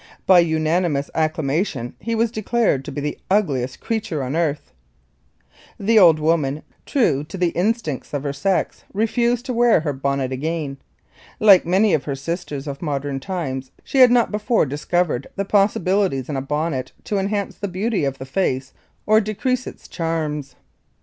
By unanimous acclamation he was declared to be "the ugliest creature on earth." The old woman, true to the instincts of her sex, refused to wear her bonnet again. Like many of her sisters of modern times, she had not before discovered the possibilities in a bonnet to enhance the beauty of the face or decrease its charms.